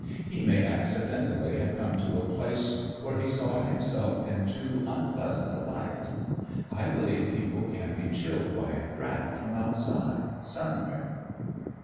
He may accidentally have come to a place where he saw himself in too unpleasant a light. I believe people can be chilled by a draft from outside, somewhere."